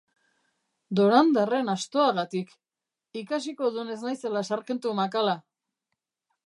Dorandarren astoagatik!, ikasiko dun ez naizela sarjentu makala!